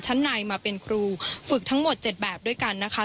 ชั้นในมาเป็นครูฝึกทั้งหมด๗แบบด้วยกันนะคะ